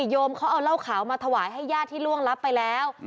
โยมเขาเอาเหล้าขาวมาถวายให้ญาติที่ล่วงรับไปแล้ว